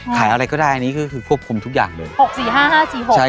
ขายอะไรก็ได้ก็ควบคุมทุกอย่างเลย